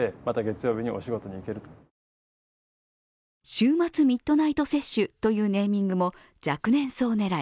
週末ミッドナイト接種というネーミングも若年層狙い。